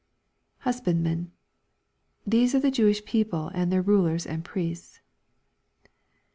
[Husbandmen.] These are the Jewish people and their rulers and priests.